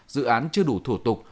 dự án chưa đủ thủ tục